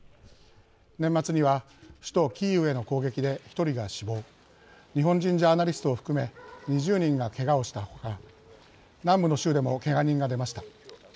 年末には首都キーウへの攻撃で１人が死亡日本人ジャーナリストを含め２０人が、けがをした他南部の州でも、けが人が出ました。